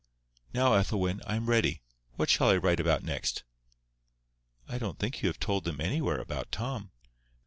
"Now, Ethelwyn, I am ready. What shall I write about next?" "I don't think you have told them anywhere about Tom."